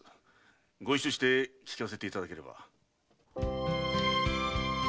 ご一緒して訊かせていただければ。